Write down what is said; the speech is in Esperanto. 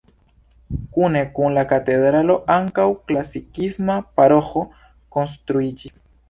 Kune kun la katedralo ankaŭ klasikisma paroĥo konstruiĝis.